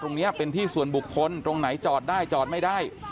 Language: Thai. ตรงนี้เป็นที่ส่วนบุคคลตรงไหนจอดได้จอดไม่ได้